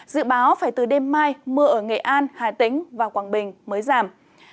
dự báo phải từ đêm mai mưa ở nghệ an hà tĩnh và quảng bình mới giảm